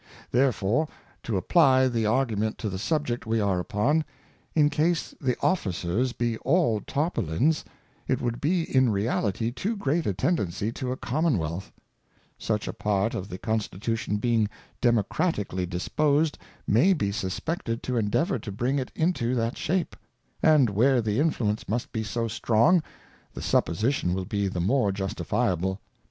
Therefore to apply the Argument to the Subject we are upon ; in case the Officers be all Tarpaulins, it would be in reality too great a tendency to a Commonwealth; such a part of the Constitution being I)emocra#ic«% disposed may be suspected to endeavour to bring it into that Shape; and where the influence must be so strong, the Supposition will be the more justifiable.